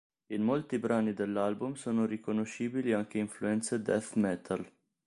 In molti brani dell'album sono riconoscibili anche influenze death metal.